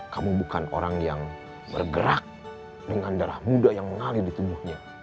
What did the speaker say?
kamu bukan orang yang bergerak dengan darah muda yang mengalir di tubuhnya